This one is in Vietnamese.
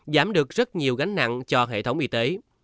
giảm được rất nhiều gánh nặng cho hệ thống y tế